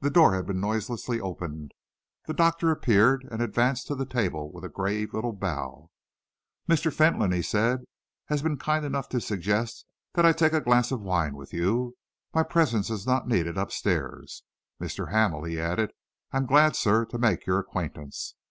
The door had been noiselessly opened. The doctor appeared and advanced to the table with a grave little bow. "Mr. Fentolin," he said, "has been kind enough to suggest that I take a glass of wine with you. My presence is not needed up stairs. Mr. Hamel," he added, "I am glad, sir, to make your acquaintance.